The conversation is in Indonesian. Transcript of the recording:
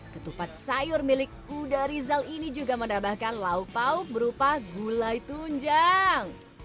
ketupat sayur milik kuda rizal ini juga menambahkan lauk pauk berupa gulai tunjang